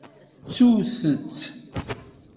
Ttut-tt!